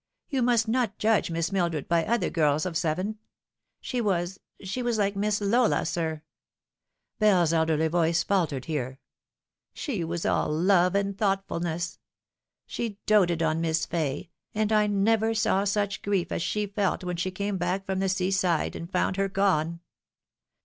You must not judge Miss Mildred by other girls of seven. She was she was hike Miss Lola, sir " Bell's elderly voice faltered here. " She was all love and thoughtfulness. She doted on Miss Fay, and I never saw such grief as she felt when she came back from the sea side and found her gone.